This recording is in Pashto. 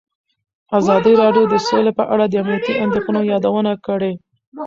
ازادي راډیو د سوله په اړه د امنیتي اندېښنو یادونه کړې.